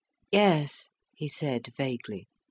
"Yes," he said vaguely.